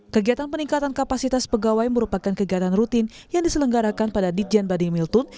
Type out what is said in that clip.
kegiatan peningkatan kapasitas pegawai merupakan kegiatan rutin yang diselenggarakan pada ditjen bading milton